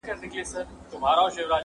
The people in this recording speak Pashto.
o د گوړي په ويلو خوله نه خوږېږي!